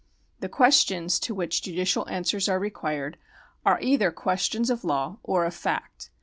The questions to which judicial answers are required arc either questions of law or of fact.